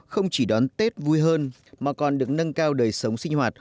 không chỉ đón tết vui hơn mà còn được nâng cao đời sống sinh hoạt